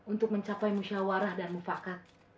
untuk mencapai musyawarah dan mufakat